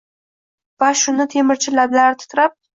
Va shunda temirchi lablari titrab